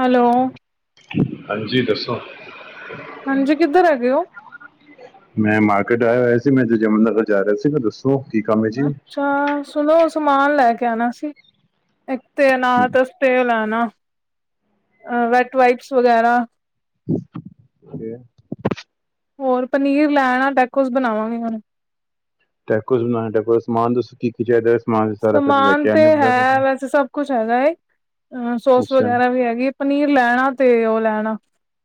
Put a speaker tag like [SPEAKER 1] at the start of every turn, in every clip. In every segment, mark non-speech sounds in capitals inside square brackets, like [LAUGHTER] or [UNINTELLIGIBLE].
[SPEAKER 1] Hello
[SPEAKER 2] ਹਾਂਜੀ ਦੱਸੋ
[SPEAKER 1] ਹਾਂਜੀ ਕਿੱਧਰ ਹੈਗੇ ਹੋ
[SPEAKER 2] ਮੈਂ ਮਾਰਕੀਟ ਆਇਆ ਹੋਇਆ ਸੀ ਮੈਂ ਜ ਜਮਨਾ ਨਗਰ ਜਾ ਰਿਹਾ ਸੀਗਾ ਦੱਸੋ ਕੀ ਕੰਮ ਹੈ ਜੀ
[SPEAKER 1] ਤਾਂ ਸੁਨੋ ਸਮਾਨ ਲੈ ਕੇ ਆਨਾ ਸੀ ਇੱਕ ਤੇ ਅਨਾ ਤੇਲ ਲੈ ਆਨਾ ਵੈਟ ਵਾਈਟਸ ਵਗੈਰਾ। ਹੋਰ ਪਨੀਰ ਲੈ ਆਨਾ ਟੈਕੋਸ ਬਨਾਵਾਂਗੇ ਹੁਨ
[SPEAKER 2] ਟੈਕੋਸ ਬਨਾਣਾ ਟੈਕੋਸ ਦਾ ਸਮਾਨ ਦੱਸੋ ਕੀ ਕੀ ਚਾਹੀਦਾ ਹੈ? ਸਮਾਨ ਤੇ ਸਾਰਾ ਫਿਰ ਲੈ
[SPEAKER 1] ਸਮਾਨ
[SPEAKER 2] ਕੇ
[SPEAKER 1] ਤੇ
[SPEAKER 2] ਆਨੇ ਬਜਾ ਤੁਸੀਂ
[SPEAKER 1] ਹੈ ਵੈਸੇ ਸਭ ਕੁਛ ਹੈਗਾ ਏ। ਅ ਸੋਸ
[SPEAKER 2] ਅੱਛਾ
[SPEAKER 1] ਵਗੈਰਾ ਵੀ ਹੈਗੀ ਏ ਪਨੀਰ ਲੈ ਆਣਾ ਤੇ ਉਹ ਲੈ ਆਣਾ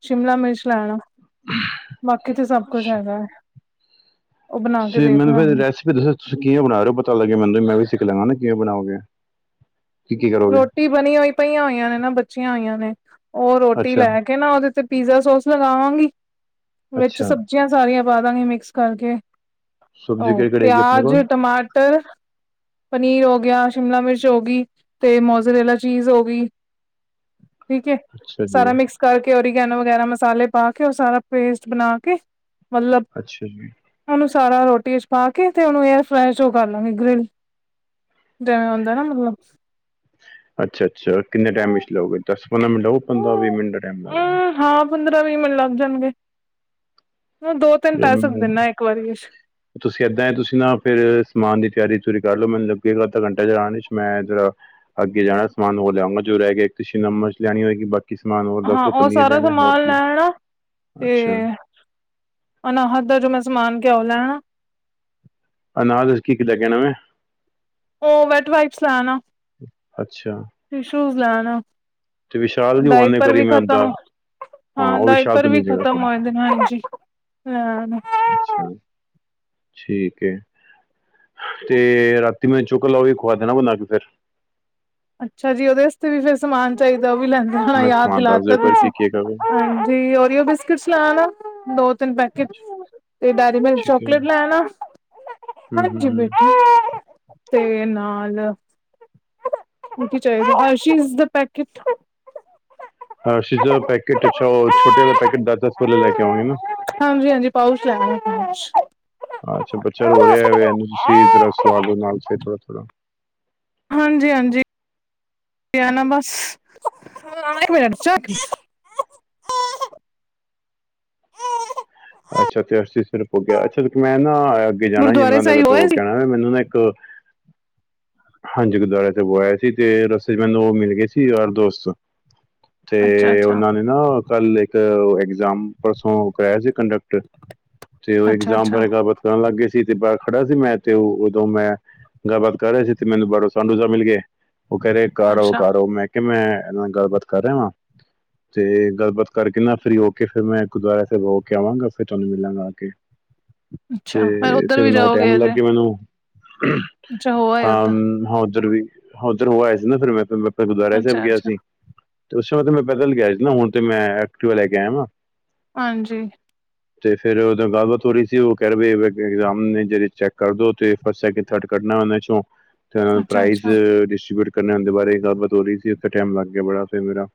[SPEAKER 1] ਸ਼ਿਮਲਾ ਮਿਰਚ ਲੈ ਆਣਾ। ਬਾਕੀ ਤੇ ਸਭ ਕੁਛ ਹੈਗਾ। ਉਹ ਬਣਾ ਕੇ
[SPEAKER 2] ਤੁਸੀ
[SPEAKER 1] ਦੇਖ
[SPEAKER 2] ਮੈਨੂੰ ਫੇਰ
[SPEAKER 1] ਲਾਂਗੇ
[SPEAKER 2] ਰੈਸਪੀ ਦੱਸੋ? ਤੁਸੀਂ ਕਿਵੇ ਬਣਾ ਰਹੇ ਹੋ ਪਤਾ ਲੱਗੇ ਮੈਨ ਤੇ ਮੈਂ ਵੀ ਸਿੱਖ ਲਾਂਗਾ ਨਾ ਕਿਂਵੇ ਬਣਾਓਗੇ ਕੀ ਕੀ ਕਰੋਗੇ।
[SPEAKER 1] ਰੋਟੀ ਬਨੀ ਹੋਈ ਪਈਆਂ ਹੋਈਆਂ ਨੇ ਨਾ ਬੱਚੀਆਂ ਹੋਈਆਂ ਨੇ ਉਹ ਰੋਟੀ
[SPEAKER 2] ਅੱਛਾ
[SPEAKER 1] ਲੈ ਕ ਕੇ ਨਾ ਉਹਦੇ ਤੇ ਪੀਜ਼ਾ ਸੋਸ ਲਗਾਵਾਂਗੀ ਵਿੱਚ ਸਬਜ਼
[SPEAKER 2] ਅੱਛਾ
[SPEAKER 1] ਸਬਜੀਆਂ ਸਾਰੀਆਂ ਪਾ ਦਾਂਗੀ ਮਿਕਸ ਕਰਕੇ
[SPEAKER 2] ਸਬਜ਼ੀ
[SPEAKER 1] ਉਹ
[SPEAKER 2] ਕਿਹੜੀ ਕਿਹੜੀ ਹੈਗੀ ਆਪਣੇ
[SPEAKER 1] ਪਿਆਜ
[SPEAKER 2] ਕੋਲ
[SPEAKER 1] ਟਮਾਟਰ ਪਨੀਰ ਹੋ ਗਿਆ ਸ਼ਿਮਲਾ ਮਿਰਚ ਹੋ ਗਈ ਤੇ ਮੋਜ਼ਰੇਲਾ ਚੀਜ਼ ਹੋ ਗਈ ਠੀਕ ਏ
[SPEAKER 2] ਅੱਛਾ ਜੀ
[SPEAKER 1] ਸਾਰਾ ਮਿਕਸ ਕਰਕੇ ਉਰੀਗੈਨੋ ਵਗੈਰਾ ਮਸਾਲੇ ਪਾ ਕੇ ਉਹ ਸਾਰਾ ਪੇਸਟ ਬਨਾ ਕੇ ਮਲਬ
[SPEAKER 2] ਅੱਛਾ ਜੀ।
[SPEAKER 1] ਉਹਨੂੰ ਸਾਰਾ ਰੋਟੀ ਇਚ ਪਾ ਕੇ ਤੇ ਉਹਨੂੰ ਏਅਰ ਫਰਾਈ ਚ ਉਹ ਕਰ ਲਾਂਗੇ ਗ੍ਰਿਲ ਜਿਵੇਂ ਹੁੰਦਾ ਨਾ ਮਤਲਬ
[SPEAKER 2] ਅੱਛਾ, ਅੱਛਾ ਕਿੰਨੇ ਟੈਮ ਇਚ ਲੋਗੇ ਦਸ ਪੰਦਰਾਂ ਮਿੰਟ ਲੋ ਪੰਦਰਾਂ ਵੀਹ ਮਿੰਟ ਦਾ ਟਾਈਮ ਲੱਗ
[SPEAKER 1] ਅ ਹਾਂ ਪੰਦਰਾਂ ਵੀਹ ਮਿੰਟ ਲੱਗ ਜਾਨਗੇ ਦੋ ਤਿੰਨ ਪੈ ਸਕਦੇ
[SPEAKER 2] ਲੱਗੇਗਾ
[SPEAKER 1] ਨਾ ਇੱਕ ਵਾਰੀ ਵਿਚ।
[SPEAKER 2] ਤੁਸੀਂ ਏਦਾਂ ਤੁਸੀਂ ਨਾ ਫਿਰ ਸਮਾਨ ਦੀ ਤਿਆਰੀ ਤੁਰੀ ਕਰ ਲਓ, ਮਨ ਲਗੇਗਾ ਅੱਧਾ ਘੰਟਾ ਜਰਾ ਆਨ ਇਚ ਮੈ ਜਰਾ ਅੱਗੇ ਜਾਣਾ ਸਮਾਨ ਹੋਰ ਲਿਆਉਂਗਾ ਜੋ ਰਹਿ ਗਿਆ ਇੱਕ ਸ਼ਿਮਲਾ ਮਿਰਚ ਲੈਣੀ ਹੋਏਗੀ ਬਟ
[SPEAKER 1] ਹਾਂ ਉਹ ਸਾਰਾ ਸਮਾਨ ਲੈ ਆਣਾ ਤੇ
[SPEAKER 2] ਅੱਛਾ
[SPEAKER 1] ਅਨਾਹਦ ਦਾ ਜੋ ਮੈਂ ਸਮਾਨ ਕਿਹਾ ਉਹ ਲੈ ਆਣਾ।
[SPEAKER 2] ਅਨਾਹਦ ਵਾਸਤੇ ਕੀ ਕੀ ਲੈ ਕੇ ਆਣਾ ਵੇ।
[SPEAKER 1] ਉਹ ਵੈਟ ਵਾਈਪਸ ਲੈ ਆਣਾ।
[SPEAKER 2] ਅੱਛਾ।
[SPEAKER 1] ਟੀਸ਼ੁਜ਼ ਲੈ ਆਣਾ
[SPEAKER 2] ਅਤੇ ਵਿਸ਼ਾਲ ਦੀ ਉਹ ਆਉਂਦੇ
[SPEAKER 1] ਡਾਇਪਰ
[SPEAKER 2] ਕਰੀ
[SPEAKER 1] ਵੀ
[SPEAKER 2] ਮੈਂ ਉਹਦਾ
[SPEAKER 1] ਖਤਮ ਹਾਂ
[SPEAKER 2] ਉਹ ਵਿਸ਼ਾਲ
[SPEAKER 1] ਡਾਇਪਰ
[SPEAKER 2] ਤੋਂ
[SPEAKER 1] ਵੀ
[SPEAKER 2] ਮਿਲ ਜਾਏਗਾ
[SPEAKER 1] ਖਤਮ
[SPEAKER 2] ਸਾਨੂੰ
[SPEAKER 1] ਹੋਏਦੇ ਨੇ, ਹਾਂਜੀ ਲੈ ਆਣਾ।
[SPEAKER 2] ਅੱਛਾ। ਠੀਕ ਏ, ਤੇ ਰਾਤੀ ਮੈਂ ਚੋਕੋ ਔ ਵੀ, ਖਵਾ ਦੇਣਾ ਬਣਾ ਕੇ ਫਿਰ
[SPEAKER 1] ਅੱਛਾ ਜੀ ਉਹਦੇ ਵਸਤੇ ਵੀ ਫਿਰ ਸਮਾਨ ਚਾਹੀਦਾ, ਉਹ ਵੀ ਲੈਂਦੇ ਹੋਣਾ
[SPEAKER 2] ਮੈਂ
[SPEAKER 1] ਯਾਦ
[SPEAKER 2] ਸਮਾਨ ਦੱਸ ਦਿਓ
[SPEAKER 1] ਦਿਲਾਤਾ
[SPEAKER 2] ਇੱਕ ਵਾਰ ਕੀ
[SPEAKER 1] ਤੁਸੀਂ।
[SPEAKER 2] ਕੀ ਹੈਗਾ ਵੇ
[SPEAKER 1] ਹਾਂਜੀ ਓਰੀਓ ਬਿਸਕਿਟਸ ਲੈਉਣਾ, ਦੋ ਤਿੰਨ ਪੈਕਟ
[SPEAKER 2] ਅੱਛਾ
[SPEAKER 1] ਤੇ ਡੈਰੀ ਮਿਲਕ
[SPEAKER 2] ਠੀਕ ਹੈ
[SPEAKER 1] ਚੋਕਲੇਟ ਲੈ ਆਣਾ,
[SPEAKER 2] ਹੂੰ ਹੂੰ
[SPEAKER 1] ਹਾਂਜੀ
[SPEAKER 2] ਹੂੰ
[SPEAKER 1] ਬੇਟਾ। ਤੇ ਨਾਲ ਕੀ ਚਾਹੀਦਾ ਅਰਸ਼ੀਜ਼ ਦਾ ਪੈਕੇਟ
[SPEAKER 2] ਅਰਸੀਜ ਦਾ ਪੈਕੇਟ ਅੱਛਾ ਉਹ ਛੋਟੇ ਵਾਲਾ ਪੈਕੇਟਸ ਦਸ ਦਸ ਵਾਲੇ ਲੈ ਕੇ ਆਵਾਂਗੇ ਨਾ।
[SPEAKER 1] ਹਾਂਜੀ, ਹਾਂਜੀ। ਪਾਓਚ ਲੈ ਆਣਾ ਕੋਈ ਅੱਛਾ
[SPEAKER 2] ਅਛਾ ਬੱਚਾ ਰੋ ਰਿਹਾ, ਏ ਵੇ ਇਨੂੰ ਤੁਸੀ ਜਰਾ ਸੁਆ ਦੋ ਨਾਲ ਥੋੜਾ ਥੋੜਾ।
[SPEAKER 1] ਹਾਂਜੀ, ਹਾਂਜੀ। ਪਿਆਨਾ ਬਸ, ਹਾਂ ਇਕ ਮਿਨਿਟ
[SPEAKER 2] ਅੱਛਾ ਤੇ ਅਸੀ ਸਿਰਫ ਹੋ ਗਿਆ, ਅੱਛਾ ਮੈਂ ਨਾ ਅੱਗੇ ਜਾਣਾ
[SPEAKER 1] ਗੁਰਦੁਆਰੇ
[SPEAKER 2] ਜਮਨਾ ਨਗਰ
[SPEAKER 1] ਸਾਹਿਬ
[SPEAKER 2] ਤੱਕ ਹੋ
[SPEAKER 1] ਹੋਏ ਸੀ
[SPEAKER 2] ਕੇ ਆਣਾ। ਮੈਨੂੰ ਨਾ ਇੱਕ ਹਾਂਜੀ ਗੁਰਦੁਆਰੇ ਤਕ ਹੋ ਆਇਆ ਸੀ, ਤੇ ਰਸਤੇ ਚ ਮੈਨੂੰ ਉਹ ਮਿਲ ਗਏ ਸੀ ਯਾਰ ਦੋਸਤ ਤੇ
[SPEAKER 1] ਅੱਛਾ ਅੱਛਾ
[SPEAKER 2] ਉਹਨਾਂ ਨੇ ਨਾ ਕੱਲ ਇੱਕ ਐਗਜਾਮ ਪਰਸੋਂ ਕਰਾਇਆ ਸੀ ਕੰਡਕਟਰ ਤੇ ਉਹ
[SPEAKER 1] ਅੱਛਾ
[SPEAKER 2] ਐਗਜ਼ਾਮ
[SPEAKER 1] ਅੱਛਾ
[SPEAKER 2] ਬਾਰੇ ਗਲਬਾਤ ਕਰਨ ਲੱਗ ਗਏ ਸੀ, ਤੇ ਬਾਹਰ ਖੜਾ ਸੀ ਮੈਂ ਤੇ ਉਦੋਂ ਮੈਂ ਗੱਲਬਾਤ ਕਰ ਰਹੇ ਸੀ, ਤੇ ਮੈਨੂੰ ਬਾਹਰ ਸਾਡੂਸਾਹਿਬ ਮਿਲ ਗਏ ਉਹ ਕਹਿ ਰਹੇ ਘਰ ਆਓ
[SPEAKER 1] ਅੱਛਾ
[SPEAKER 2] ਘਰ ਆਓ ਮੈਂ ਕਿ ਮੈਂ ਇਹਨਾਂ ਨਾਲ ਗੱਲਬਾਤ ਕਰ ਰਿਹਾ ਵਾਂ ਤੇ ਗੱਲਬਾਤ ਕਰਕੇ ਨਾ, ਫ੍ਰੀ ਹੋਕੇ ਫਿਰ ਮੈਂ ਗੁਰਦੁਆਰਾ ਸਾਹਿਬ ਹੋ। ਕੇ ਆਵਾਂਗਾ ਫਿਰ ਤੁਹਾਨੂੰ ਮਿਲਾਂਗਾ ਆ ਕੇ,
[SPEAKER 1] ਅੱਛਾ, ਫੇਰ
[SPEAKER 2] ਤੇ
[SPEAKER 1] ਉੱਧਰ
[SPEAKER 2] ਫਿਰ
[SPEAKER 1] ਵੀ
[SPEAKER 2] ਊਨਾ
[SPEAKER 1] ਜਾਓਗੇ
[SPEAKER 2] ਟਾਈਮ ਲੱਗ
[SPEAKER 1] ਅਜੇ,
[SPEAKER 2] ਗਿਆ ਮੈਨੂੰ
[SPEAKER 1] ਅੱਛਾ ਹੋ ਆਏ
[SPEAKER 2] ਹਾਂ,
[SPEAKER 1] ਉੱਧਰ,
[SPEAKER 2] ਹਾਂ ਉੱਧਰ ਵੀ ਉਧਰ ਹੋ ਆਇਆ ਸੀ ਨਾ ਫਿਰ ਮੈਂ ਮੈਂ ਗੁਰਦੁਆਰਾ ਸਾਹਿਬ ਗਿਆ
[SPEAKER 1] ਅੱਛਾ-ਅੱਛਾ,
[SPEAKER 2] ਸੀ, ਤੇ ਉਸ ਸਮਯ ਮੈਂ ਪੈਦਲ ਗਿਆ ਸੀ ਨਾ, ਹੁਣ ਤੇ ਮੈਂ ਐਕਟਿਵਾ ਲੈ ਕੇ ਆਇਆ ਵਾਂ
[SPEAKER 1] ਹਾਂਜੀ।
[SPEAKER 2] ਤੇ ਫੇਰ ਉਹਦ ਗੱਲਬਾਤ ਹੋ ਰਹੀ ਸੀ, ਉਹ ਕਹਿ ਰਹੇ ਇਗਜ਼ਾਮ ਨੇ ਜਿਹੜ ਚੈੱਕ ਕਰ ਦੋ ਤੇ ਫਸਟ ਸੈਕਿੰਡ ਥਰਡ ਕਢਨਾ ਉਨ੍ਹਾਂ ਚੋਂ, ਤੇ ਉਨ੍ਹਾਂਨੂੰ ਪ੍ਰਾਈਜ਼
[SPEAKER 1] ਅੱਛਾ-ਅੱਛਾ,
[SPEAKER 2] ਡਿਸਟਬਊਟ ਕਲ ਨਾ ਔ ਦੇ ਬਾਰੇ ਗੱਲਬਾਤ ਹੋ ਰਹੀ ਸੀ, ਉਥੇ ਟਾਈਮ ਲੱਗ ਗਿਆ ਬੜਾ ਫਿਰ ਮੇਰਾ,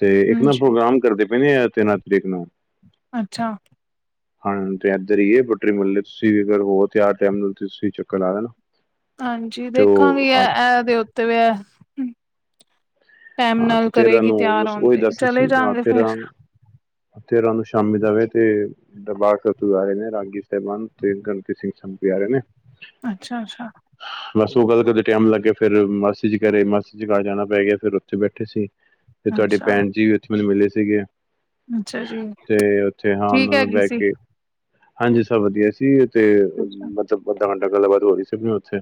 [SPEAKER 2] ਤੇ ਇੱਕ ਨਾ
[SPEAKER 1] ਹਾਂਜੀ,
[SPEAKER 2] ਪ੍ਰੋਗਰਾਮ ਕਰਦੇ ਬ ਨਹੀਂ ਆ, ਤੇਰਾਂਹ ਤਰੀਕ ਨੂੰ
[SPEAKER 1] ਅੱਛਾ
[SPEAKER 2] ਆਣਾ ਤੇ ਇੱਧਰ ਹੀ ਏ ਪੱਟਰੀ ਮੁੱਹਲੇ, ਤੁਸੀਂ ਵੀ ਅਗਰ ਹੋ ਤੇਆਰ ਟਾਈਮ ਨਾਲ ਤੇ ਤੁਸੀਂ ਵੀ ਚੱਕਰ ਲਾ ਲੈਣਾ
[SPEAKER 1] ਹਾਂਜੀ ਦੇਖਾਂਗੀ ਐ, ਐ ਇਹਦੇ ਉੱਤੇ ਵੇ ਐ ਟਾਈਮ
[SPEAKER 2] ਹਾਂ
[SPEAKER 1] ਨਾਲ
[SPEAKER 2] ਤੇ ਤੇਰਾਂ
[SPEAKER 1] ਕਰੇਗੀ
[SPEAKER 2] ਨੂੰ
[SPEAKER 1] ਤਿਆਰ
[SPEAKER 2] ਬਸ
[SPEAKER 1] ਆਂਣ
[SPEAKER 2] ਉਹੀ
[SPEAKER 1] ਤੇ, ਚਲੇ ਜਾਂਗੇ ਫਿਰ
[SPEAKER 2] ਤੇਰਾਹ ਨੂੰ ਸ਼ਾਮੀ ਜਾਵੇ ਤੇ ਦਰਬਾਰ ਸਾਹਿਬ ਤੋਂ ਆਏ ਨੇ ਰਾਂਗੀ ਸਾਹਿਬਾਨ, ਤੇ ਗ੍ਰੰਥੀ ਸਿੰਘ ਸਾਹਿਬ ਵੀ ਆ ਰਹੇ ਨੇ
[SPEAKER 1] ਅੱਛਾ ਅੱਛਾ
[SPEAKER 2] ਬਸ ਉਹ ਗੱਲ ਕਰਦੇ ਟਾਈਮ ਲੱਗ ਗਿਆ, ਫੇਰ ਮਾਸੀ ਜੀ ਘਰੇ, ਮਾਸੀ ਜੀ ਘਾਰ ਜਾਣਾ ਪੈ ਗਿਆ ਫਿਰ ਉਥੇ ਬੈਠੇ ਸੀ, ਤੇ ਤੁਹਾਡੇ
[SPEAKER 1] ਅੱਛਾ
[SPEAKER 2] ਭੈਣ ਜੀ ਵੀ ਉੱਥੇ ਮੈਨੂੰ ਮਿਲੇ ਸੀਗੇ
[SPEAKER 1] ਅੱਛਾ ਜੀ,
[SPEAKER 2] ਤੇ ਉੱਥੇ ਹਾਂ
[SPEAKER 1] ਠੀਕ ਹੈਗੀ
[SPEAKER 2] ਬਹਿ
[SPEAKER 1] ਸੀ,
[SPEAKER 2] ਕੇ ਹਾਂਜੀ ਸਭ ਵਧੀਆ ਸੀ ਓ ਤੇ,
[SPEAKER 1] ਅੱਛਾ,
[SPEAKER 2] ਮਤਲਬ ਅੱਧਾ -ਘੰਟਾ ਗੱਲ ਬਾਤ ਹੋ ਰਈ ਸੀਗੀ ਓਥੇ।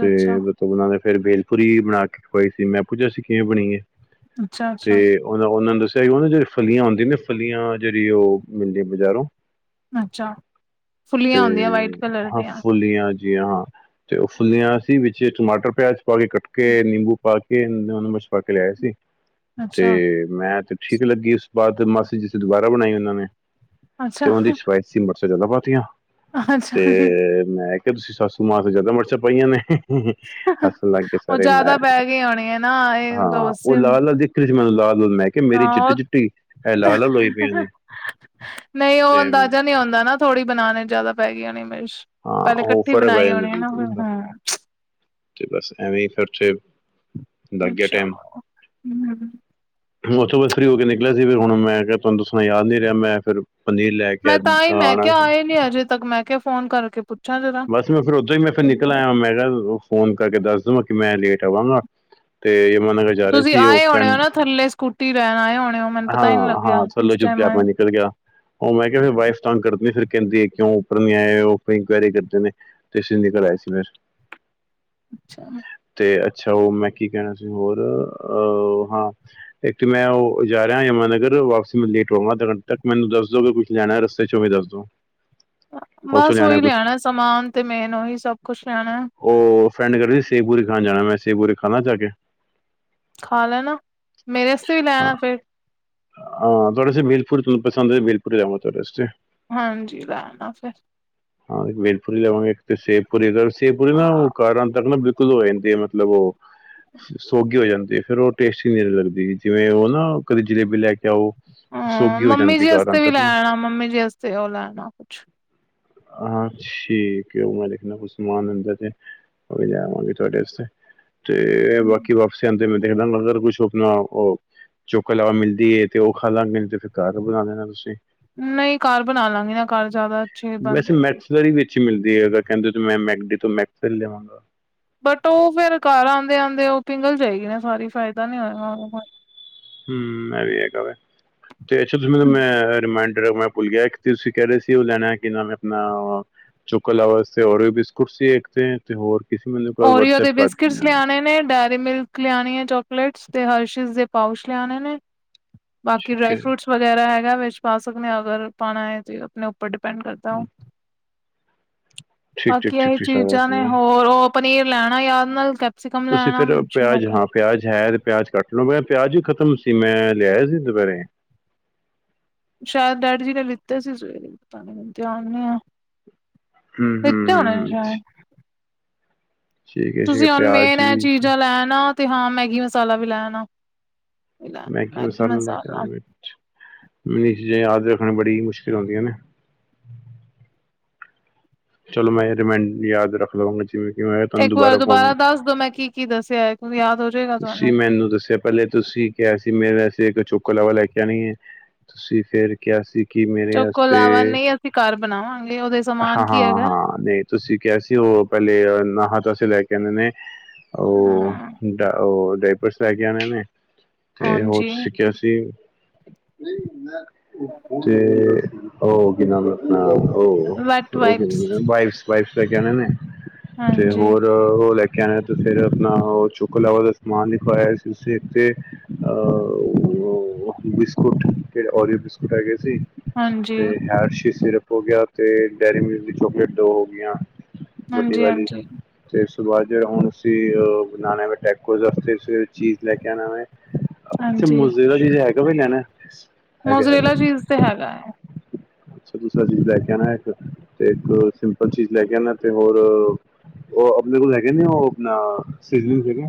[SPEAKER 2] ਤੇ
[SPEAKER 1] ਅੱਛਾ-ਅੱਛਾ।
[SPEAKER 2] ਮਤਲਬ ਓਨਾਂ ਨੇ ਫੇਰ ਬੇਲਪੁਰੀ ਬਣਾ ਕੇ ਖਵਾਈ ਸੀ, ਮੈਂ ਪੁੱਛਿਆ ਸੀ ਕਿਵੇਂ ਬਣੀ ਏ।
[SPEAKER 1] ਅੱਛਾ, ਅੱਛਾ,
[SPEAKER 2] ਤੇ ਓ, ਓਨਾਂ ਨੂੰ ਦੱਸੇਆ ਸੀ ਓ ਨਾ ਜੇੜੀ ਫਲੀਆਂ ਹੁੰਦੀ ਨੇ ਫਲੀਆਂ ਜੇੜੀ ਓ ਮਿਲਦੀ ਨੇ ਬਜ਼ਾਰੋਂ
[SPEAKER 1] ਅੱਛਾ, ਫੁੱਲੀਆਂ ਹੁੰਦੀਆਂ ਵਾਈਟ ਕਲਰ
[SPEAKER 2] ਤੇ--ਹਾਂ
[SPEAKER 1] ਦੀਆਂ,
[SPEAKER 2] ਫਲੀਆਂ ਜੇਆ ਤੇ ਓ ਫੁੱਲੀਆਂ ਸੀ ਵਿੱਚੇ ਈ ਟਮਾਟਰ ਪਿਆਜ ਪਾ ਕੇ ਕੱਟ ਕੇ ਨਿੰਬੂ ਪਾ ਕੇ ਪਾ ਕੇ ਲਿਆਏ ਸੀ ਤੇ
[SPEAKER 1] ਅੱਛਾ।
[SPEAKER 2] ਮੈਂ ਤੇ ਠੀਕ ਲੱਗੀ, ਉਸ ਤੋ ਬਾਅਦ ਮਾਸੀ ਜੀ ਸੇ ਦੁਬਾਰਾ ਬਣਾਏ ਓਨਾਂ ਨੇ,
[SPEAKER 1] ਅੱਛਾ,
[SPEAKER 2] ਤੇ ਓ ਵੀ ਸਵਾਦ ਤੁਸੀ ਮੀਰਚਾ ਜਾਦਾ ਪਾਤੀਆਂ ਤੇ
[SPEAKER 1] ਅੱਛਾ ਜੀ,
[SPEAKER 2] ਮੈਂ ਤੁਸੀਂ ਸਾਸੂ ਮਾ ਤੋ ਜ਼ਾਦਾ ਮਿਰਚਾਂ ਪਾਈਆਂ ਨੇ, ਹਹ ਹੱਸਣ ਲੱਗ ਗਏ ਸਾਰੇ ਮੈਂ
[SPEAKER 1] ਕੇਂਦੇ ਹੋਣੇ ਆ ਨਾ ਇਹ ਦੋ
[SPEAKER 2] ਹਾਂ, ਓ
[SPEAKER 1] ਸਿਮ
[SPEAKER 2] ਲਾਲ -ਲਾਲ ਦਿਖ ਰਈ ਸੀ, ਮੈਨੂੰ ਲਾਲ -ਲਾਲ ਮੈਂ ਕਿ ਮੇਰੀ
[SPEAKER 1] ਹਾਂ
[SPEAKER 2] ਚਿੱਟੀ- ਚਿੱਟੀ, ਏ ਲਾਲ-ਲਾਲ ਹੋਈ
[SPEAKER 1] ਉਹ
[SPEAKER 2] ਪਈਆਂ ਨੇ, ਤੇ
[SPEAKER 1] ਨਈ ਆਂਦਾ ਨਾ ਥੋੜ੍ਹੀ ਬਣਾਣੇ ਜਾਦਾ ਪੈ ਗਈ ਹੋਣੀ ਮਾਰਚ,
[SPEAKER 2] ਹਾਂ
[SPEAKER 1] ਪੇਲੇ
[SPEAKER 2] ਉਹ
[SPEAKER 1] ਇਕੱਠੀ
[SPEAKER 2] ਫਰਕ ਪੈ
[SPEAKER 1] ਬਣਾਈ
[SPEAKER 2] ਜਾਂਦਾ
[SPEAKER 1] ਹੋਣੀ
[SPEAKER 2] ਸੀ
[SPEAKER 1] ਨਾ ਫੇਰ,
[SPEAKER 2] ਥੋੜਾ
[SPEAKER 1] ਹਾ
[SPEAKER 2] ਤੇ ਬਸ ਐਵੇਂ ਈ ਫਿਰਥੇ ਲੱਗੇ ਗੇਆ
[SPEAKER 1] ਅੱਛਾ
[SPEAKER 2] ਟਾਏਮ
[SPEAKER 1] ਹੂੰ
[SPEAKER 2] ਹੁਣੇ ਓਥੋ ਮੈ ਫਰੀ ਹੋ ਕੇ ਨਿਕਲਿਆ ਸੀ, ਫਿਰ ਹੁਣ ਮੈਂ ਕੇਆ ਤੁਆਨੂੰ ਦੱਸਣ ਦਾ ਯਾਦ ਨੀ ਰੇਆ, ਮੈਂ ਫੇਰ ਪਨੀਰ ਲੈ ਕੇ ਘਰ ਆਣਾ ਸੀ।
[SPEAKER 1] ਫਰੀ ਨਈ ਹੋਏ ਅਜੇ ਤੱਕ ਮੈਂ ਕੇਆ? ਫੋਨ ਕਰਕੇ ਪੁੱਛਾਂ ਜਰਾ
[SPEAKER 2] ਬਸ ਮੈਂ ਫਿਰ ਓਧਰੋ ਈ ਨਿਕਲ, ਨਿਕਲ ਆਇਆ ਮੈਂਗਾ ਫੋਨ ਕਰਕੇ ਦੱਸ ਦਵਾਂ ਕਿ ਮੈਂ ਲੇਟ ਆਵਾਂਗਾ ਤੇ ਮਨ ਜਾ ਰਹੇ
[SPEAKER 1] ਤੁਸੀਂ
[SPEAKER 2] ਸੀ ਓ
[SPEAKER 1] ਆਏ ਹੋਣੇ ਹੋ
[SPEAKER 2] ਫਰੈਂਡ,
[SPEAKER 1] ਨਾ ਥੱਲੇ ਸਕੂਟੀ ਲੈਣ ਆਏ ਹੋਣੇ ਹੋ ਮੈਨੂੰ
[SPEAKER 2] ਹਾਂ
[SPEAKER 1] ਪਤਾ ਹੀ ਨੀ ਲੱਗਿਆ
[SPEAKER 2] -ਹਾਂ ਥੱਲੋਂ
[SPEAKER 1] ਕਿਸ
[SPEAKER 2] ਚੁੱਪ-
[SPEAKER 1] ਟਾਈਮ
[SPEAKER 2] ਚਾਪ
[SPEAKER 1] ਆਏ
[SPEAKER 2] ਮੈਂ ਨਿਕਲ ਗਿਆ ਓ ਮੈਂ ਕੇਆ ਫਿਰ ਵਾਈਫ ਤੰਗ ਕਰਦੀ ਆ, ਫਿਰ ਕੇਂਦੀ ਆ, ਕਿਓ ਉੱਪਰ ਨਹੀਂ ਆਏ ਓ ਇਨਕੋਆਰੀ ਸਟੇਸ਼ਨ ਨਿਕਲ ਆਏ ਸੀ ਫਿਰ
[SPEAKER 1] ਅੱਛਾ
[SPEAKER 2] ਤੇ ਅੱਛਾ ਓ ਮੈਂ ਕੀ ਕੈਣਾ ਸੀ ਹੋਰ ਅਹ ਹਾਂ ਇੱਕ ਮੈਂ ਉਹ ਜਾ ਰਿਹਾ ਯਮਨਾ ਨਗਰ, ਵਾਪਸੀ ਮੈਂ ਲੇਟ ਹੋਵਾਂਗਾ, ਤਦ ਤੱਕ ਮੈਨੂੰ ਦੱਸ ਦੋਗੇ ਕੁ ਕੁੱਛ ਲੈਣਾ ਰਸਤੇ ਚੋਂ ਵੀ ਦੱਸ ਦੋ ਉੱਥੋਂ
[SPEAKER 1] ਬਸ ਓ ਈ
[SPEAKER 2] ਹੈ ਕੁਝ
[SPEAKER 1] ਲੈਣਾ ਸਮਾਨ ਤੇ ਮੇਨ ਓ ਈ ਸਭ ਕੁਛ ਲੈਣਾ।
[SPEAKER 2] ਓ ਫਰੈਂਡ ਕੈ ਰਏ ਸੀ ਸੇਖਪੂਰੀ ਖਾਣ ਜਾਣਾ, ਮੈਂ ਸੇਖਪੂਰੀ ਖਾਂਲਾ ਜਾ ਕੇ?
[SPEAKER 1] ਖਾ ਲੈਣਾ, ਮੇਰੇ ਵਾਸਤੇ ਵੀ ਲੈ
[SPEAKER 2] ਹਾਂ
[SPEAKER 1] ਆਣਾ ਫੇਰ।
[SPEAKER 2] ਹਾਂ ਤੁਹਾਡੇ ਵਾਸਤੇ ਬੇਲਪੁਰ ਤੁਹਾਨੂੰ ਪੰਸਦ ਏ, ਬੇਲਪੁਰੀ ਲੈ ਆਵਾ ਤਾਡੇ ਵਾਸਤੇ।
[SPEAKER 1] ਹਾਂਜੀ, ਲੈ ਆਨਾ ਫਿਰ।
[SPEAKER 2] ਹਾਂ ਬੇਲਪੁਰੀ ਲਵਾਂਗੇ ਸੇਵਪੁਰ ਸੇਵਪੂਰੀ ਨਾ ਕਰ ਆਣ ਤਕ ਨਾ ਬ ਦੋਂ ਜਾਂਦੀ ਏ ਮਤਲਬ ਉਹ। ਸੌਗੀ ਹੋ ਜਾਂਦੀ ਹੈ ਫਿਰਰ ਉਹ ਟੇਸਟੀ ਨਈ ਲਗਦੀ ਜਿਵੇਂ ਉਹ ਨਾ ਕਦੇ ਜਲੇਬੀ ਲੈ ਕੇ ਆਓ। ਸੋਗੀ
[SPEAKER 1] ਹਮ
[SPEAKER 2] ਹੋ
[SPEAKER 1] ਮੰਮੀ
[SPEAKER 2] ਜਾਂਦੀ
[SPEAKER 1] ਜੀ
[SPEAKER 2] ਕਾਰਾਂ
[SPEAKER 1] ਵਾਸਤੇ ਵੀ
[SPEAKER 2] ਤੱਕ
[SPEAKER 1] ਲੈ
[SPEAKER 2] ਨਾ
[SPEAKER 1] ਆਣਾ ਮੰਮੀ ਜੀ ਵਾਸਤੇ ਉਹ ਲੈਣਾ ਕੁਛ।
[SPEAKER 2] ਹਾ ਠੀਕ ਹੈ ਉਹ ਮੈਂ ਲਿਖਣਾ ਕੁ ਸਮਾਨ ਅੰਦਰ ਤੇ ਹੋ ਜਾਵਾਂਗੇ ਤੁਹਾਡੇ ਅਸਤੇ। ਤੇ ਬਾਕੀ ਵਾਪਸ ਆਉਂਦੇ ਮੈਂ ਦੇਖਦਾ ਅਗਰ ਕੁਛ ਆਪਣਾ ਉਹ। ਚੁੱਕੋ ਲਾਵਾ ਮਿਲਦੀ ਹੈ ਤੇ ਉਹ ਖਾ ਲਾਂਗੇ ਤੇ ਫਿਰ ਕਰ ਬਣਾ ਲੈਣਾ ਤੁਸੀਂ।
[SPEAKER 1] ਨਹੀਂ ਘਰ ਬਣਾ ਲਾਂਗੇ ਨਾ ਘਰ ਜ਼ਿਆਦਾ ਅੱਛੇ ਬਣ ਜਾਏ।
[SPEAKER 2] ਵਿੱਚ ਹੀ ਮਿਲਦੀ ਹੈ ਕਹਿੰਦੇ ਮੈਂਬਰੀ ਤੋਂ ਮੈਕਸਰ ਲਿਆਵਾਂਗਾ।
[SPEAKER 1] ਬਟ ਉਹ ਫੇਰ ਘਰ ਆਉਂਦੇ ਆਉਂਦੇ ਉਹ ਪਿੰਗਲ ਜਾਏਗੀ ਨਾ ਸਾਰੀ ਫਾਇਦਾ ਨੀ ਹੋਇਗਾ।
[SPEAKER 2] ਹੂੰ, ਐ ਵੀ ਹੈਗਾ ਵੇ। ਤੇ ਅੱਛਾ ਤੁਸੀਂ ਮੈਨੂੰ ਮੈਂ ਰਿਮਾਇਂਡਰ ਮੈਂ ਭੁੱਲ ਗਿਆ ਏਕ ਕਿ ਤੁਸੀਂ ਕੈ ਰੇ ਸੀ ਓ ਲੈਣਾ ਕਿ ਨਾਮ ਏ ਅਪਨਾ ਅ, ਚੋਕੋ ਲਾਵਾ ਅਸਤੇ ਓਰਿਓ ਬਿਸਕੁਟ ਸੀ ਏਕ ਤੇ ਤੇ ਹੋਰ ਕੀ ਸੀ ਮੈਨੂੰ ਏਕ ਵਾਰ ਵਟਸਐਪ ਕਰ ਦੇਨਾ।
[SPEAKER 1] ਲੀਆਣੇ ਨੇ ਡ ਡੈਰੀ ਮਿਲਕ ਲਿਆਣੀ ਏ ਚੋਕਲੇਟਸ ਤੇ ਹਰਸ਼ੀਜ਼ ਦੇ ਪਾਊਚ ਲਿਆਣੇ ਨੇ, ਬਾਕੀ
[SPEAKER 2] ਠੀਕ
[SPEAKER 1] ਡਰਾਏ
[SPEAKER 2] ਹੈ
[SPEAKER 1] ਫਰੂਟਸ ਵਗੈਰਾ ਹੈਗਾ ਵਿੱਚ ਪਾ ਸਕਨੇ ਆ ਅਗਰ ਪਾਣਾ ਏ ਤੇ ਅਪਨੇ ਉਪ ਰ ਡਿਪੈਂਡ ਕਰਦੈ ਓ,
[SPEAKER 2] ਹੂੰ, ਠੀਕ ਠੀਕ
[SPEAKER 1] ਬਾਕੀ
[SPEAKER 2] ਠੀਕ
[SPEAKER 1] ਐਹੀ
[SPEAKER 2] ਠੀਕ ਸਾਰਾ
[SPEAKER 1] ਚੀਜ਼ਾਂ ਨੇ
[SPEAKER 2] ਸਮਾਨ
[SPEAKER 1] ਹੋਰ ਓ [UNINTELLIGIBLE] ਲੈ ਆਣਾ ਯਾਦ ਨਾਲ ਕੈਪਸੀਕਮ ਲੈ
[SPEAKER 2] ਤੁਸੀਂ
[SPEAKER 1] ਆਣਾ,
[SPEAKER 2] ਫਿਰ
[SPEAKER 1] ਮਨ - ਸ਼ਿਮਲਾ
[SPEAKER 2] ਪਿਆਜ਼ ਹਾਂ
[SPEAKER 1] ਮਰਚ
[SPEAKER 2] ਪਿਆਜ਼ ਹੈ ਤੇ ਪਿਆਜ਼ ਕੱਟ ਲੋ, ਮੈਂ ਪਿਆਜ਼ ਵੀ ਖਤਮ ਸੀ, ਮੈਂ ਲਿਆਇਆ ਸੀ ਦੁਪੈਰੇ?
[SPEAKER 1] ਸ਼ਾਇਦ ਡੈਡੀ ਜੀ ਨੇ ਲਿੱਤੇ ਸੀ ਸਵੇਰੇ, ਪਤਾ ਨੀ ਹੁਨ ਧਿਆਨ ਨੀ ਐ।
[SPEAKER 2] ਹੂੰ ਹੂੰ
[SPEAKER 1] ਲੀਤੇ
[SPEAKER 2] ਹੂੰ
[SPEAKER 1] ਹੋਣੇ ਨੇ
[SPEAKER 2] ਹੂੰ
[SPEAKER 1] ਸ਼ੈਦ।
[SPEAKER 2] ਠੀਕ ਹੈ ਠੀਕ ਹੈ
[SPEAKER 1] ਤੁਸੀਂ ਹੁਨ ਮੇਨ
[SPEAKER 2] ਪਿਆਜ਼
[SPEAKER 1] ਐ
[SPEAKER 2] ਵੀ ਸੀ
[SPEAKER 1] ਚੀਜ਼ਾਂ ਲੈ ਆਨਾ, ਤੇ ਹਾਂ ਮੈਗੀ ਮਸਾਲਾ ਵੀ ਲੈ ਆਨਾ।
[SPEAKER 2] ਮੈਗੀ ਮਸਾਲਾ ਲੈ ਕੇ ਆਣਾ ਵੇ, ਅਛਾ। ਮੇਨ ਚੀਜ਼ਾਂ ਯਾਦ ਰੱਖਣਾ ਵੀ ਬੜੀ ਮੁਸ਼ਕਿਲ ਹੁੰਦੀਆਂ ਨੇ। ਚਲੋ ਮੈਂ ਰਿਮਾਇਡ, ਯਾਦ ਰੱਖ ਲਵਾਂਗਾ ਜਿਵੇਂ ਕਿ ਮੈਂ ਤੁਹਾਨੂੰ
[SPEAKER 1] ਏਕ ਵਾਰ
[SPEAKER 2] ਫੋਨ
[SPEAKER 1] ਦੁਬਾਰਾ ਦੱਸ ਦੋ ਮੈਂ ਕੀ- ਕੀ ਦੱਸਿਐ, ਏਕ ਵਾਰ ਯਾਦ ਹੋ ਜਾਏਗਾ
[SPEAKER 2] ਤੁਸੀਂ
[SPEAKER 1] ਤੁਹਾਨੂੰ।
[SPEAKER 2] ਮੈਨੂੰ ਦੱਸਿਐ ਪੈਲੇ ਤੁਸੀਂ ਕਿਆ ਸੀ ਮੇਰੇ ਅਸੇ ਏਕ ਚੋਕੋ ਲਾਵਾ ਲੈ ਕੇ ਆਣੀ ਏ। ਤੁਸੀਂ ਫੇਰ ਕਿਆ ਸੀ ਕਿ ਮੇਰੇ
[SPEAKER 1] ਚੋਕੋ
[SPEAKER 2] ਅਸਤੇ,
[SPEAKER 1] ਲਾਵਾ ਨਹੀਂ ਅਸੀਂ ਘਰ ਬਣਾਵਾਂਗੇ ਉਹਦੇ ਸਮਾਨ ਕੀ
[SPEAKER 2] ਹਾਂਹਾਂ-
[SPEAKER 1] ਹੈਗਾ
[SPEAKER 2] ਹਾਂ ਨਈ ਤੁਸੀਂ ਕਿਆ ਸੀ ਓ ਪੈਲੇ ਅਨਾਹਤ ਅਸੇ ਲੈ ਕੇ ਆਨੇ ਨੇ, ਓ
[SPEAKER 1] ਹਾਂ।
[SPEAKER 2] ਡ ਓ ਡਾਈਪਰਸ ਲੈ ਕੇ ਆਣੇ ਨੇ, ਤੇ ਹੋਰ
[SPEAKER 1] ਹਾਂਜੀ
[SPEAKER 2] ਤੁਸੀਂ ਕਿਆ ਸੀ ਤੇ ਓ ਕੀ ਨਾਮ ਏ ਅ ਓ,
[SPEAKER 1] ਵੈਟ
[SPEAKER 2] ਓ ਕਿ
[SPEAKER 1] ਵਾਈਪਸ
[SPEAKER 2] ਹੁੰਦੈ ਵਾਈਪਸ, ਵਾਇਪਸ ਲੈ ਕੇ ਆਣੇ ਨੇ। ਤੇ
[SPEAKER 1] ਹਾਂਜੀ।
[SPEAKER 2] ਹੋਰ ਓ ਲੈ ਕੇ ਆਣੇ ਨੇ ਤੇ ਫੇਰ ਅਪਣਾ ਓ ਚੋ ਚੋਕੋ ਲਾਵਾ ਦਾ ਸਮਾਨ ਲਿਖਵਾਇਆ ਸੀ ਤੁਸੀ ਏਕ ਤੇ ਅ ਓ ਬਿਸਕੁਟ ਕੇੜੇ, ਓਰੀਓ ਬਿਸਕੁਟ ਹੈਗੇ ਸੀ
[SPEAKER 1] ਹਾਂਜੀ,
[SPEAKER 2] ਤੇ ਹੈਰਸ਼ੀ ਸਿਰਪ ਹੋ ਗਿਆ, ਤੇ ਡੇਅਰੀ ਮਿਲਕ ਦੀ ਚੋਕਲੇਟ ਦੋ ਹੋ ਗੀਆਂ- ਵੱਡੀ
[SPEAKER 1] ਹਾਂਜੀ,
[SPEAKER 2] ਵਾਲੀ,
[SPEAKER 1] ਹਾਂਜੀ,
[SPEAKER 2] ਤੇ ਉਸ ਤੋਂ ਬਾਅਦ ਜੇ ਹੁਣ ਅਸੀਂ ਅ ਬਣਾਣਾ ਵੇ [UNINTELLIGIBLE] ਅਸਤੇ ਸਵੇਰੇ ਚੀਜ਼ ਲੈ ਕੇ ਆਣਾ ਵੇ। ਓ ਅਛਾ
[SPEAKER 1] ਹਾਂਜੀ
[SPEAKER 2] ਮੋਜ਼ਰੇਲਾ ਚੀਜ਼ ਹੈਗਾ ਵੇ ਲਿਆਨੈ?
[SPEAKER 1] ਮੋਜਰੇਲਾ ਚੀਜ਼ ਤੇ ਹੈਗਾ ਏ
[SPEAKER 2] ਅੱਛਾ ਦੂਸਰਾ ਚੀਜ਼ ਲੈ ਕੇ ਆਣਾ ਏਕ, ਤੇ ਏਕ ਸਿੰਪਲ ਚੀਜ਼ ਲੈ ਕੇ ਆਨੈ ਤੇ ਹੋਰ ਓ ਅਪਨੇ ਕੋਲ ਹੈਗੇ ਨੇ ਓ ਅਪਨਾ, ਸੀਜ਼ਨਿੰਗਸ ਹੈਗੇ ਨੇ?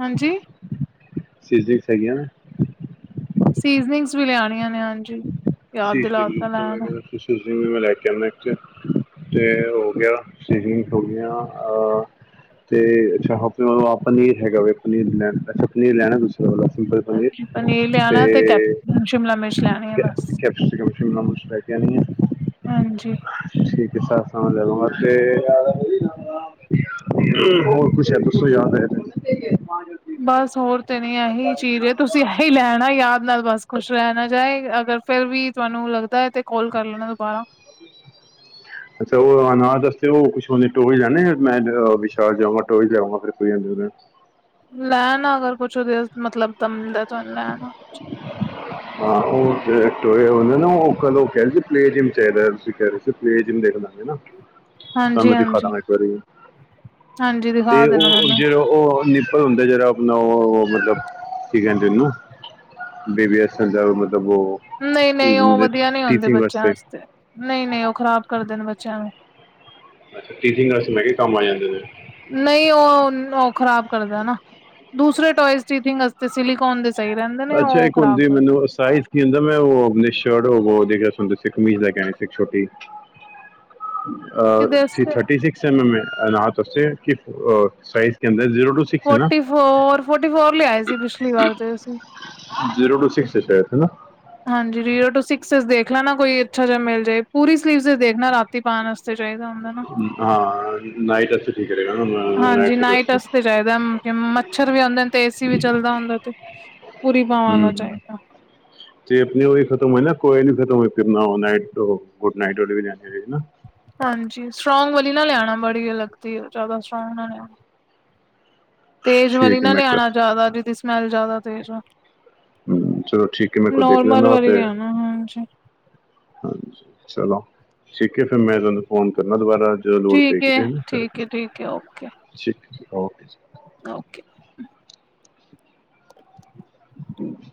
[SPEAKER 1] ਹਾਂਜੀ!
[SPEAKER 2] ਸੀਜ਼ਨਿੰਗਸ ਹੈਗੀਆਂ ਨੇ?
[SPEAKER 1] ਸੀਜ਼ਨਿੰਗਸ ਵੀ ਲਿਆਣੀਆਂ ਨੇ ਹਾਂਜੀ, ਯਾਦ ਦਿਲਾ
[SPEAKER 2] ਸੀਜ਼ਨਿੰਗ
[SPEAKER 1] ਤਾਂ ਲੈ
[SPEAKER 2] ਮੈਂ
[SPEAKER 1] ਆਣਾ।
[SPEAKER 2] ਕਹਿੰਦਾ ਸੀਜ਼ਨਿੰਗ ਨੂੰ ਮੈਂ ਲੈ ਕੇ ਆਨਾ ਏਕ ਤੇ। ਤੇ ਹੋ ਗਿਆ ਸੀਜ਼ਨਿੰਗਸ ਹੋਗੀਆਂ ਅ ਤੇ ਅੱਛਾ ਹਾਂ ਫੇਰ ਓ ਪਨੀਰ ਹੈਗਾ ਵੇ, ਪਨੀਰ ਲੈ। ਅੱਛਾ ਪਨੀਰ ਲੈਣਾ ਵੇ ਦੂਸਰੇ ਅਲਾ ਸਿੰਪਲ।
[SPEAKER 1] ਹਾਂਜੀ ਪਨੀਰ ਲਿਆਣਾ ਏ ਤੇ ਕੈਪ - ਸ਼ਿਮਲਾ ਮਿਰਚ ਲਿਆਣੀ ਏ ਬਸ।
[SPEAKER 2] ਸ਼ੀਮਾ ਮਿਰਚ, ਸ਼ਿਮਲਾ ਮਿਰਚ ਲੇ ਕੇ ਆਨੀ ਏ।
[SPEAKER 1] ਹਾਂਜੀ।
[SPEAKER 2] ਅੱਛਾ ਠੀਕ ਏ, ਸਾਰਾ ਸਮਾਨ ਲੈ ਆਂਗਾ ਤੇ ਹੂੰ, ਹੋਰ ਕੁਛ ਹੈ ਤੇ ਦੱਸੋ ਯਾਦ ਹੈ ਤੇ?
[SPEAKER 1] ਬਸ ਹੋਰ ਤੇ ਨੀ ਐਹੀ ਚੀਜ਼ ਏ, ਤੁਸੀਂ ਐਈ ਲੈ ਆਣਾ ਯਾਦ ਨਾਲ ਬਸ ਕੁਸ਼ ਰੈ ਨਾ ਜਾਏ। ਅਗਰ ਫੇਰ ਵੀ ਤੁਆਨੂੰ ਲੱਗਦਾ ਏ ਤੇ ਕੌਲ ਕਰ ਲੈਣਾ ਦੁਬਾਰਾ।
[SPEAKER 2] ਅੱਛਾ, ਓ ਅਨਾਹਤ ਅਸਤੇ ਓ ਕੁਛ ਓਨੇ ਟੋਏ ਲੈਨੇ ਐ? ਮੈ ਐਦਰ ਵਿਸ਼ਾਲ ਜਾਵਾਂ ਟੋਇਜ ਲਿਆਵਾਂ, ਫਿਰ ਕੋਈ [UNINTELLIGIBLE]
[SPEAKER 1] ਲੈ ਆਨਾ ਅਗਰ ਕੁਛ ਉਦੇ ਮਤਲਬ ਦਾ ਮਿਲਦਾ ਤੁਹਾਨੂੰ ਲੈ ਆਨਾ ਕੁਛ।
[SPEAKER 2] ਹਾਂ ਓ ਜੇੜੇ ਟੋਏ ਹੂੰਦੇ ਨਾ ਓ ਕਦੋਂ ਕਹਿੰਦੀ ਪਲੇ ਜਿਮ ਚਾਈਦਾ ਏ ਤੁਸੀਂ ਕਹਿ ਰੇ ਸੀ 'ਤੇ ਪਲੇ ਜਿਮ ਦੇ ਦੋ ਲਾਕੇ ਨਾ।
[SPEAKER 1] [INAUDIBLE] ਹਾਂਜੀ
[SPEAKER 2] ਤੁਹਾਨੂੰ
[SPEAKER 1] ਹਾਂਜੀ
[SPEAKER 2] ਦਿਖਾਦਾਗਾ ਇੱਕ ਵਾਰੀ,
[SPEAKER 1] ਹਾਂਜੀ ਦਿਖਾ
[SPEAKER 2] ਤੇ ਓ
[SPEAKER 1] ਦੇਣਾ ਮੈਨੂੰ
[SPEAKER 2] ਜੇਰਾ ਓ ਓ ਨਿੱਪਲ ਹੁੰਦੇ ਜੇੜਾ ਆਪਨਾ ਓ ਮਤਲਬ, ਕੀ ਕੈ ਦੇ ਉਨੂੰ ਬੇਬੀ ਐਕਸਲ ਦਾ ਮਤਲਬ ਵੋ।
[SPEAKER 1] ਨਈ-ਨਈ ਓ ਵਧੀਆ ਨੀ ਹੁੰਦੇ ਬੱਚਿਆਂ ਵਾਸਤੇ, ਨਈ-ਨਈ ਓ ਖ਼ਰਾਬ ਕਰਦੇ ਨੇ ਬੱਚਿਆਂ ਨੂੰ।
[SPEAKER 2] ਅੱਛਾ ਟੀਚਿੰਗ ਨਰਸ ਮੈਂ ਕੈ ਕੰਮ ਆ ਜਾਂਦੇ ਨੇ।
[SPEAKER 1] ਨਈ ਓ ਉਨ ਓ ਖ਼ਰਾਬ ਕਰਦਾ ਨਾ, ਦੂਸਰੇ ਟੋਇਜ਼ ਚੀਟਿੰਗ ਵਾਸਤੇ, ਸੀਲਿਕੋਨ ਦੇ ਸਹੀ ਰਹਿੰਦੇ ਨੇ
[SPEAKER 2] ਅੱਛਾ
[SPEAKER 1] ਉਹ
[SPEAKER 2] ਇੱਕ
[SPEAKER 1] ਖ਼ਰਾਬ
[SPEAKER 2] ਹੁੰਦੀ
[SPEAKER 1] ਕਰ
[SPEAKER 2] ਮੈਨੂੰ ਓ ਸਾਈ ਕੀ ਹੁੰਦਾ ਮੈਂ ਓ ਅਪਨੀ ਸ਼ਰਟ ਓ ਹੋਰ ਦੇ ਗਿਆ ਸਨ ਤੁਸੀਂ ਕਮੀਜ਼ ਲੈਕੇ ਆਇਆ ਇੱਕ ਛੋਟੀ। [INAUDIBLE] ਆ
[SPEAKER 1] ਕਿਦੇ
[SPEAKER 2] ਥੀ
[SPEAKER 1] ਵਾਸਤੇ
[SPEAKER 2] ਥਰਟੀ ਸਿਕਸ ਐਮ ਐਮ ਏ ਐ ਨਾ ਦੱਸਿਆ ਕਿ ਅ ਸਾਈਜ਼ ਕੇ ਅੰਦਰ zero two
[SPEAKER 1] forty four, forty four ਲਿਆਏ ਸੀ ਪਿਛਲੀ ਵਾਰ 'ਤੇ ਅਸੀਂ।
[SPEAKER 2] ਜ਼ੀਰੋ ਟੂ ਸਿਕਸ ਏ ਸ਼ਾਇਦ ਹਨਾ?
[SPEAKER 1] ਹਾਂਜੀ ਜ਼ੀਰੋ ਟੂ ਸਿਕਸਜ ਦੇਖ ਲੈਨਾ ਕੋਈ ਅੱਛਾ ਜੇਆ ਮਿਲ ਜੇ ਪੂਰੀ ਸਲੀਵਜ ਦੇਖਨਾ ਰਾਤੀ ਪਾਣ ਵਾਸ ਫੇਰ ਚਾਈਦਾ ਹੁੰਦਾ ਨਾ।
[SPEAKER 2] ਹਾਂ ਨਾਈਟ ਅਸੀਂ [INAUDIBLE]
[SPEAKER 1] ਹਾਂਜੀ ਨਾਈਟ ਵਾਸਤੇ ਚਾਈਦਾ, ਮੱਛਰ ਵੀ ਹੁੰਦੇ 'ਤੇ ਏ ਸੀ ਵੀ ਚੱਲਦਾ ਹੁੰਦਾ 'ਤੇ ਪੂਰੀ ਬਾਵਾਂ ਆਲਾ ਚਾਈਦਾ।
[SPEAKER 2] ਚੇਪ ਨੀ ਉਈ ਖਤਮ ਹੋਈ ਨਾ, ਕੋਈ ਨੀ ਖਤਮ ਹੋਈ [INAUDIBLE]
[SPEAKER 1] ਹਾਂਜੀ ਸਟ੍ਰੋਗ ਵਾਲੀ ਨਾ ਲੈ ਆਣਾ ਬੜੀ ਅਲੱਗ ਤੀ ਜਿਆਦਾ ਸਟ੍ਰੋਗ ਨਾ ਲੈ ਆਣਾ। ਤੇਜ਼ ਵਾਲੀ
[SPEAKER 2] ਠੀਕ ਹੈ
[SPEAKER 1] ਨਾ
[SPEAKER 2] ਮੈਂ ਕਰ
[SPEAKER 1] ਲਿਆਣਾ ਜਿਆਦਾ ਜੀ ਦੀ ਸਮੈਲ ਜਾਦਾ ਤੇਜ਼ ਨਾ।
[SPEAKER 2] ਹੂੰ ਚਲੋ ਠੀਕ ਐ ਮੈਂ ਕੋਈ ਦੇਖ ਲੈਨਾ ਉਥੇ।
[SPEAKER 1] ਲਿਆਣਾ ਹਾਂਜੀ
[SPEAKER 2] ਹਾਂਜੀ ਚਲੋ ਠੀਕ ਏ ਫੇਰ ਮੈਂ ਤੁਹਾਨੂੰ ਫ਼ੋਨ ਕਰਨਾ ਦੁਬਾਰਾ। ਜਦੋਂ ਲੋੜ ਪੇ
[SPEAKER 1] ਠੀਕ
[SPEAKER 2] ਇਕ
[SPEAKER 1] ਹੈ
[SPEAKER 2] ਦਿਨ,
[SPEAKER 1] ਠੀਕ ਹੈ ਠੀਕ ਹੈ ਓਕੇ
[SPEAKER 2] ਠੀਕ-ਠੀਕ ਓਕੇ ਜੀ।
[SPEAKER 1] ਓਕੇ।
[SPEAKER 2] ਹਾਂਜੀ।